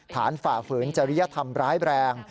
ฝ่าฝืนจริยธรรมร้ายแรง